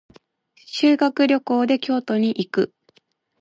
修学旅行で京都に行く。